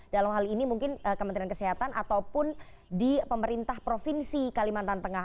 dalam hal ini mungkin kementerian kesehatan ataupun di pemerintah provinsi kalimantan tengah